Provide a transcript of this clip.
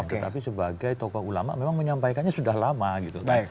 tetapi sebagai tokoh ulama memang menyampaikannya sudah lama gitu kan